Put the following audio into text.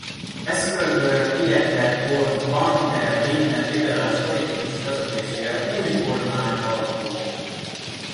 Ezt követően Pieter Cort van der Linden liberális politikus vezetésével új kormány alakult.